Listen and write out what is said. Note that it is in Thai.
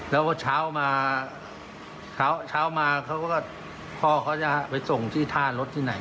แล้วก็เช้ามาเช้ามาเขาก็พ่อเขาจะไปส่งที่ท่ารถที่ไหน